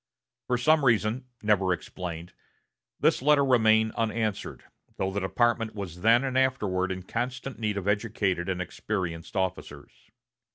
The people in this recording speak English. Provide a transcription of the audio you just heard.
For some reason, never explained, this letter remained unanswered, though the department was then and afterward in constant need of educated and experienced officers.